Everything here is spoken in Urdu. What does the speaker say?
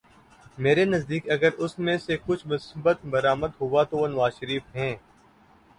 میرے نزدیک اگر اس میں سے کچھ مثبت برآمد ہوا تو وہ نواز شریف ہیں۔